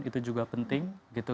itu juga penting